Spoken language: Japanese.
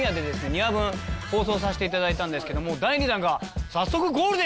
２夜分放送させていただいたんですけども第２弾が早速ゴールデンに出るという！